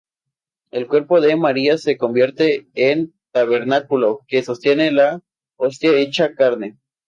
El cuerpo de María se convierte en tabernáculo que sostiene la Hostia hecha carne.